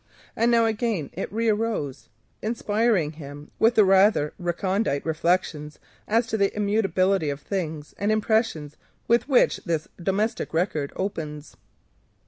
And now again it re arose, inspiring him with the rather recondite reflections as to the immutability of things and impressions with which this domestic record opens.